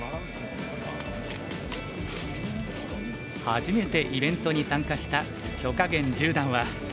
初めてイベントに参加した許家元十段は。